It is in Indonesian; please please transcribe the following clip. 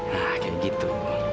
nah kayak gitu